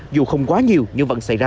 dù không quá nhiều nhưng vẫn xảy ra